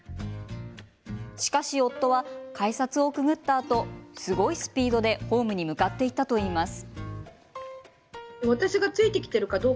しかし、夫は改札をくぐったあとすごいスピードでホームに向かっていったといいます。